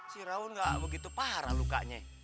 si raun gak begitu parah lukanya